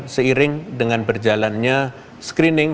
seiring dengan berjalannya screening